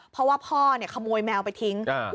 เพราะว่าพ่อเนี่ยขโมยแมวไปทิ้ง